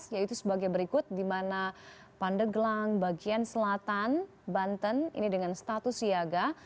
yaitu sebagai berikut di mana pandeglang bagian selatan banten ini dengan status siaga